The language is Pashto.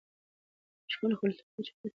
په ښکلو خلطو کې واچولې، خورجین یې ډکه کړه